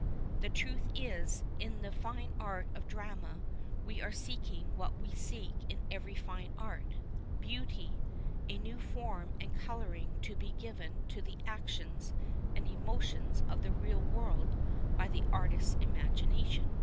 The truth is, in the fine art of drama we are seeking what we seek in every fine art — beauty, a new form and colouring to be given to the actions and emotions of the real world by the artist's imagi nation.